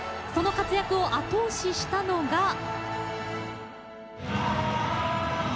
その活躍を後押ししたのが。